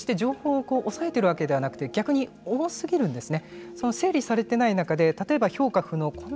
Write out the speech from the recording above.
日本は決して情報を抑えているわけではなく逆に多過ぎるんですね。